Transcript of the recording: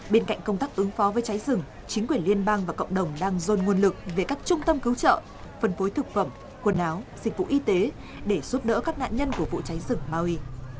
bên cạnh công tác ứng phó với cháy rừng chính quyền liên bang và cộng đồng đang dồn nguồn lực về các trung tâm cứu trợ phân phối thực phẩm quần áo dịch vụ y tế để giúp đỡ các nạn nhân của vụ cháy rừng maui